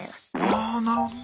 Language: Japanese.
あなるほどね。